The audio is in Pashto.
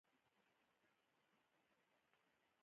کمپیوټر یوازې له دې دوو نښو کار اخلي.